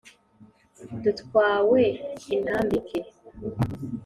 Dutwawe intambike